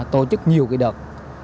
tổ chức nhiều cái đợt